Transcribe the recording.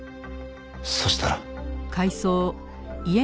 そうしたら。